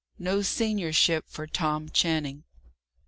NO SENIORSHIP FOR TOM CHANNING.